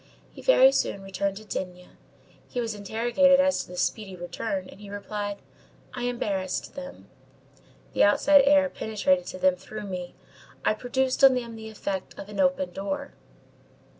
He very soon returned to D—— He was interrogated as to this speedy return, and he replied: _"I embarrassed them. The outside air penetrated to them through me. I produced on them the effect of an open door."